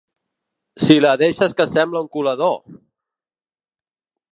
Si la deixes que sembla un colador!